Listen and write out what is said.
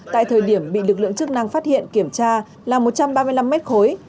tại thời điểm bị lực lượng chức năng phát hiện kiểm tra là một trăm ba mươi năm mét khối